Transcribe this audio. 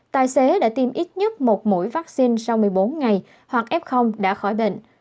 tài xế đã tiêm ít nhất một mũi vaccine sau một mươi bốn ngày hoặc f đã khỏi bệnh